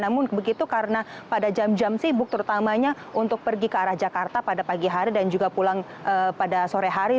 namun begitu karena pada jam jam sibuk terutamanya untuk pergi ke arah jakarta pada pagi hari dan juga pulang pada sore hari